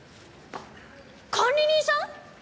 管理人さん！？